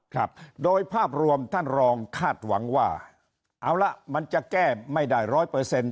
ครับโดยภาพรวมท่านรองคาดหวังว่าเอาละมันจะแก้ไม่ได้ร้อยเปอร์เซ็นต